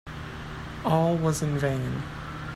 All was in vain.